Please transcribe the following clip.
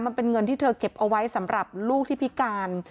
มันเป็นเงินที่เธอเก็บเอาไว้สำหรับลูกที่พิการ